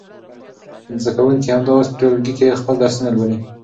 زده کوونکي همدا اوس په ټولګي کې خپل درسونه لولي.